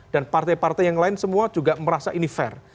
dan partai partai yang lain semua juga merasa ini fair